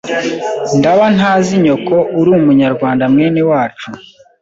ndaba ntazi nyoko uri umunyarwanda mwene wacu